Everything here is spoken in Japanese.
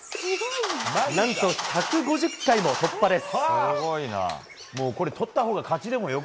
何と、１５０回も突破です。